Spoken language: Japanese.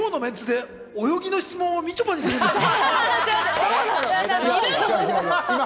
泳ぎの質問をみちょぱにするんですか？